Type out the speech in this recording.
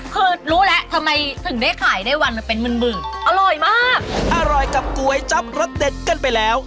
คือรู้แล้วทำไมถึงได้ขายได้วันมาเป็นหมื่นอร่อยมากอร่อยกับก๋วยจับรสเด็ดกันไปแล้ว